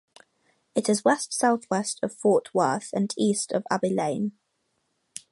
It is west-southwest of Fort Worth and east of Abilene.